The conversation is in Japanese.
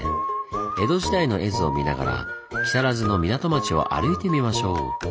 江戸時代の絵図を見ながら木更津の港町を歩いてみましょう！